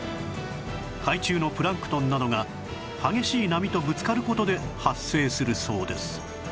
海中のプランクトンなどが激しい波とぶつかる事で発生するそうです